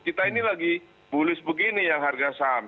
kita ini lagi bulis begini yang harga saham